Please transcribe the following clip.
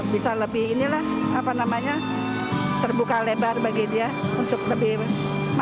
bisa lebih ini lah apa namanya terbuka lebar bagi dia untuk lebih maju lagi